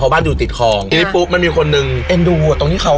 บ้านอยู่ติดคลองทีนี้ปุ๊บมันมีคนหนึ่งเอ็นดูอ่ะตรงที่เขา